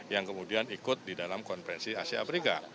yang kemudian ikut di dalam konferensi asia afrika